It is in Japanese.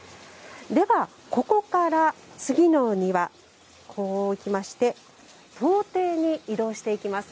ではここから次のお庭こう行きまして東庭に移動していきます。